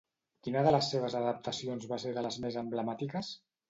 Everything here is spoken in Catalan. Quina de les seves adaptacions va ser de les més emblemàtiques?